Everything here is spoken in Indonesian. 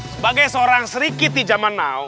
sebagai seorang sri kiti zaman now